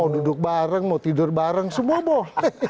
aku mau duduk bareng mau tidur bareng semua mau